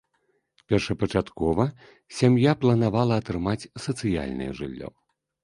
Першапачаткова сям'я планавала атрымаць сацыяльнае жыллё.